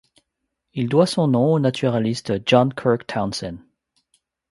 Il doit son nom au naturaliste John Kirk Townsend.